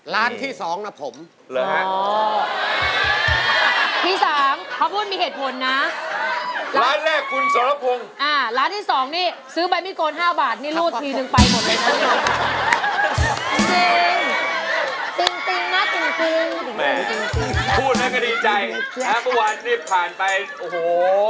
แล้วพอวันนี้ผ่านไปโอ้โห